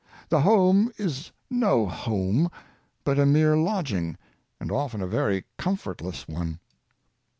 The home is no home, but a mere lodging, and often a very comfortless one.